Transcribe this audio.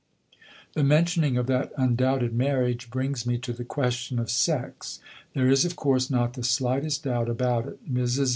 The mentioning of that undoubted marriage brings me to the question of sex. There is, of course, not the slightest doubt about it. Mrs.